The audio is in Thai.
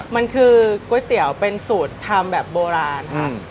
มันคือก๋วยเตี๋ยวเป็นสูตรทำแบบโบราณค่ะ